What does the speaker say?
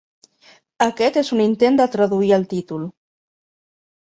Aquest és un intent de traduir el títol.